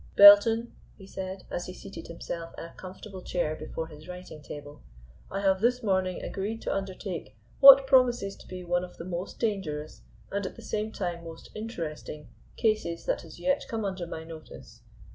"Belton," he said, as he seated himself in a comfortable chair before his writing table, "I have this morning agreed to undertake what promises to be one of the most dangerous, and at the same time most interesting, cases that has yet come under my notice.